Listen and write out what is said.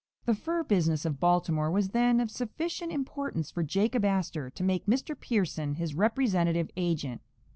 The fur business of Baltimore was then of sufficient importance for Jacob Astor to make Mr. Pearson his representative agent.